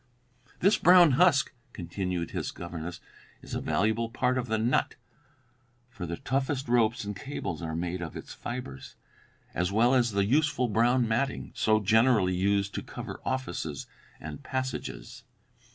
"This brown husk," continued his governess, "is a valuable part of the nut, for the toughest ropes and cables are made of its fibres, as well as the useful brown matting so generally used to cover offices and passages.